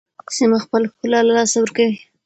سیمه خپل ښکلا له لاسه ورکوي.